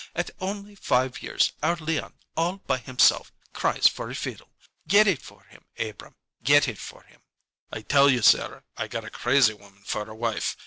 At only five years, our Leon all by himself cries for a fiddle get it for him, Abrahm get it for him!" "I tell you, Sarah, I got a crazy woman for a wife!